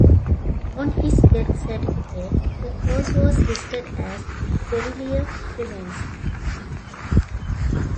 On his death certificate, the cause was listed as delirium tremens.